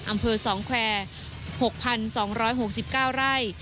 อำเภอ๒แควร์๖๒๖๙ไร่